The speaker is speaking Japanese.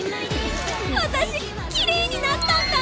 私きれいになったんだ！